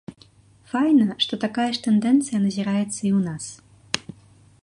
Файна, што такая ж тэндэнцыя назіраецца і ў нас.